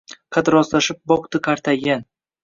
Qad rostlashib boqdi qartaygan